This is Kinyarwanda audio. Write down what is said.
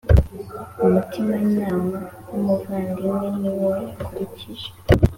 Umutimanama w’ umuvandimwe niwo yakurikije